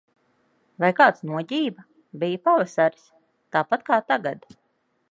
Vai kāds noģība? Bija pavasaris. Tāpat kā tagad.